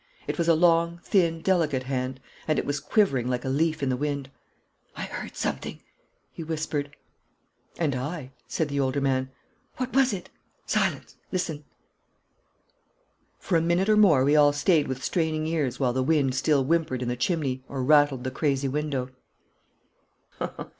It was a long, thin, delicate hand, and it was quivering like a leaf in the wind. 'I heard something,' he whispered. 'And I,' said the older man. 'What was it?' 'Silence. Listen!' For a minute or more we all stayed with straining ears while the wind still whimpered in the chimney or rattled the crazy window.